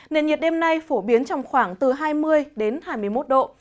nền nhiệt đêm nay phổ biến trong khoảng từ hai mươi đến hai mươi một độ